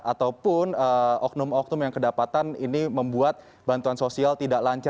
ataupun oknum oknum yang kedapatan ini membuat bantuan sosial tidak lancar